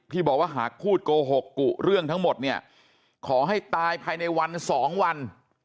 บอกว่าหากพูดโกหกกุเรื่องทั้งหมดเนี่ยขอให้ตายภายในวันสองวัน